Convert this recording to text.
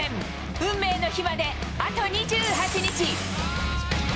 運命の日まであと２８日。